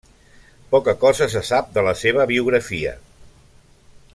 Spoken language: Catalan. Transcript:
Poca cosa se sap de la seva biografia.